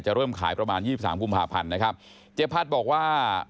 เริ่มขายประมาณยี่สิบสามกุมภาพันธ์นะครับเจ๊พัดบอกว่า